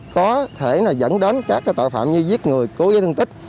có thể dẫn đến các tội phạm như giết người cố gây thương tích